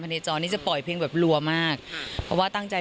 ในจอนี้จะปล่อยเพลงแบบรัวมากเพราะว่าตั้งใจ